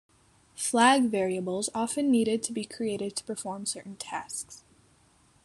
Flag variables often needed to be created to perform certain tasks.